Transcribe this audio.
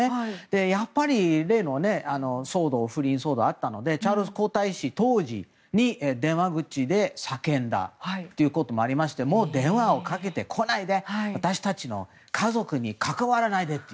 やっぱり例の不倫騒動があったのでチャールズ皇太子、当時に電話口で叫んだということもありましてもう電話をかけてこないで私たちの家族に関わらないでと。